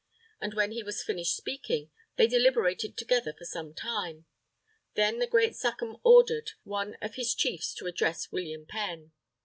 And when he was finished speaking, they deliberated together, for some time. Then the Great Sachem ordered one of his Chiefs to address William Penn.